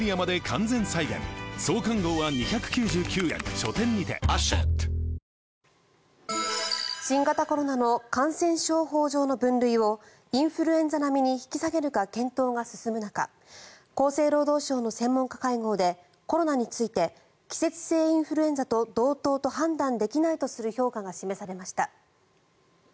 丈夫なからだへ「養命酒」新型コロナの感染症法上の分類をインフルエンザ並みに引き下げるか検討が進む中厚生労働省の専門家会合でコロナについて季節性インフルエンザと同等と判断できないとする評価が示されました。